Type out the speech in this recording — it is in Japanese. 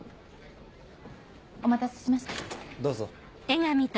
お待たせしました。